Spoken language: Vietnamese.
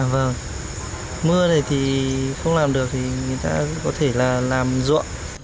vâng mưa này thì không làm được thì người ta có thể là làm ruộng